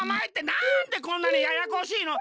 なんでこんなにややこしいの？